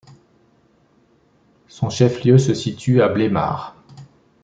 Son chef-lieu se situe au Bleymard.